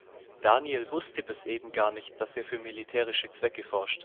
Daniel wusste bis eben gar nicht, dass er für militärische Zwecke forscht.